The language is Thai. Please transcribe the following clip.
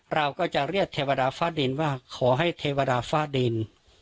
เราก็จะเรียกเทวดาฟ้าดินว่าขอให้เทวดาฟ้าดิน